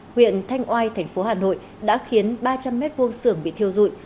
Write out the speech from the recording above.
huyện thanh oai thành phố hà nội đã khiến ba trăm linh m hai xưởng bị thiêu dụi